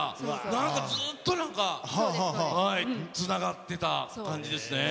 なんかずっとなんか、つながってた感じですね。